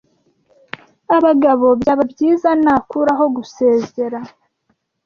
abagabo byaba byiza nakuraho gusezera